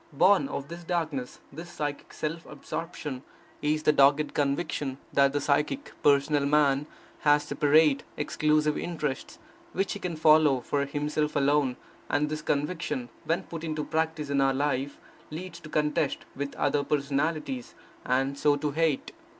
Born of this darkness, this psychic self absorption, is the dogged conviction that the psychic, personal man has separate, exclusive interests, which he can follow for himself alone; and this conviction, when put into practice in our life, leads to contest with other personalities, and so to hate.